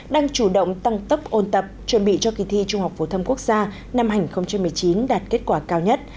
đang chủ động tăng tốc ôn tập chuẩn bị cho kỳ thi trung học phổ thông quốc gia năm hai nghìn một mươi chín đạt kết quả cao nhất